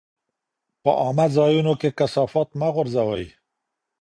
په عامه ځایونو کې کثافات مه غورځوئ.